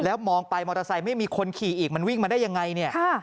แล้วมองไปมอเตอร์ไซค์ไม่มีคนขี่อีกมันวิ่งมาได้ยังไงเนี่ย